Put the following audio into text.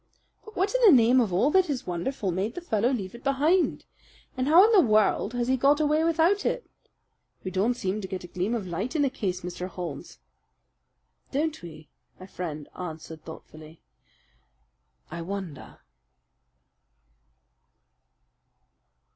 But what in the name of all that is wonderful made the fellow leave it behind? And how in the world has he got away without it? We don't seem to get a gleam of light in the case, Mr. Holmes." "Don't we?" my friend answered thoughtfully. "I wonder!"